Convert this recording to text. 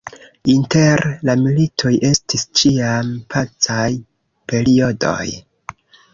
Inter la militoj estis ĉiam pacaj periodoj.